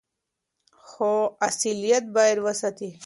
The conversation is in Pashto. خو اصليت بايد وساتي.